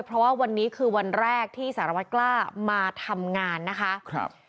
เพราะว่าวันนี้คือวันแรกที่สารวัตรกล้ามาทำงานนะคะ